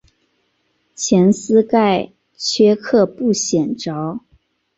前鳃盖缺刻不显着。